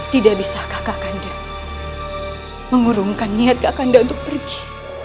tidak bisa kakanda mengurungkan niat kakanda untuk pergi